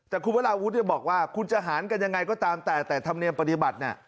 แต่คุณวราวุฒิบอกว่าคุณจะหารกันยังไงก็ตามแต่แต่ธรรมเนียมปฏิบัติ